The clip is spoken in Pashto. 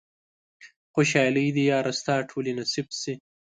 خوشحالۍ دې ياره ستا ټولې نصيب شي